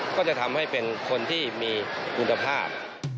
ก็จะทำให้เป็นคนที่มีคุณภาพ